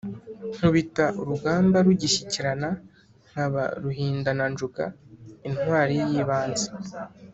Nkubita urugamba rugishyikirana, nkaba ruhindananjunga intwali y’ibanze.